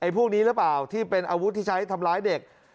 พวกนี้หรือเปล่าที่เป็นอาวุธที่ใช้ทำร้ายเด็ก